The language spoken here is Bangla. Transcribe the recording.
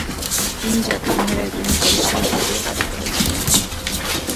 তিনি জাতিসংঘের একজন উপদেষ্টা হিসেবেও কাজ করেছেন।